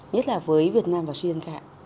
nhất là với việt nam và sri lanka